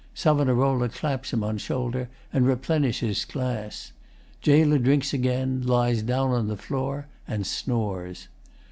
SAV. claps him on shoulder and replenishes glass. GAOLER drinks again, lies down on floor, and snores.